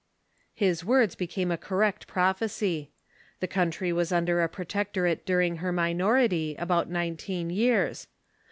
His words became a correct prophecy. The country was under a protectorate during her minor ity, about nineteen years.